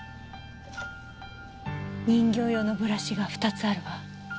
人形用のブラシが２つあるわ。